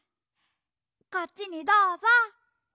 こっちにどうぞ！